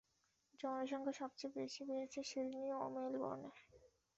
জনসংখ্যা সবচেয়ে বেশি বেড়েছে সিডনি ও মেলবোর্নে।